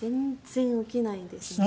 全然起きないですね。